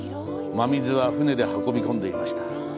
真水は船で運び込んでいました。